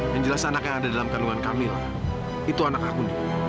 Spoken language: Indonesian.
yang jelas anak yang ada dalam kandungan kamil itu anak akun